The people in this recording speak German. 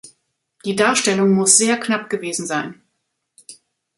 Die Darstellung muss sehr knapp gewesen sein.